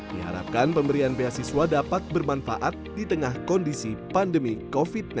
diharapkan pemberian beasiswa dapat bermanfaat di tengah kondisi pandemi covid sembilan belas